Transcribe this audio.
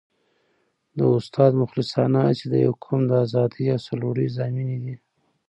د استاد مخلصانه هڅې د یو قوم د ازادۍ او سرلوړۍ ضامنې دي.